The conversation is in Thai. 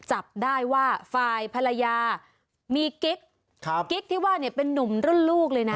จับได้ว่าฝ่ายภรรยามีกิ๊กกิ๊กที่ว่าเนี่ยเป็นนุ่มรุ่นลูกเลยนะ